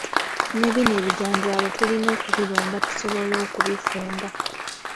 Ne bino ebijanjaalo tulina okubironda tusobole okubifumba.